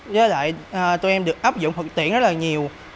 với lại tụi em được áp dụng thực tiễn rất là nhiều